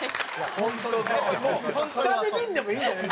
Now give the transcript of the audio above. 下に見んでもいいんじゃない？